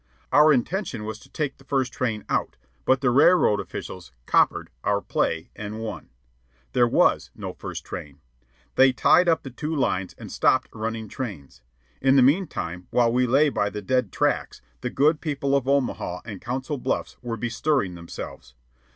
Our intention was to take the first train out, but the railroad officials "coppered" our play and won. There was no first train. They tied up the two lines and stopped running trains. In the meantime, while we lay by the dead tracks, the good people of Omaha and Council Bluffs were bestirring themselves.